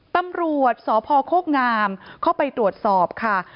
ตำรวจสพโคกงามเข้าไปตรวจสอบค่ะ